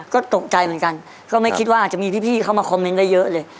ก็ตกใจเหมือนกันก็ไม่คิดว่าอาจจะมีพี่เข้ามาคอมเมนต์ได้เยอะเลย